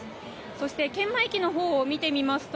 そして券売機のほうを見てみますと